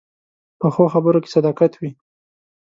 پخو خبرو کې صداقت وي